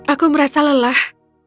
aku merasa lelah